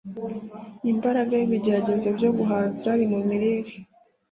Imbaraga yibigeragezo byo guhaza irari mu mirire